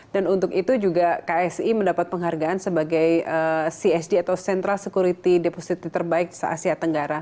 dan untuk itu juga ksi mendapat penghargaan sebagai csd atau central security depositi terbaik asia tenggara